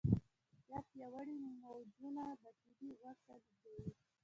دا پیاوړي موجونه داخلي غوږ ته لیږدوي.